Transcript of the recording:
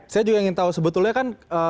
saya juga ingin tahu sebetulnya kan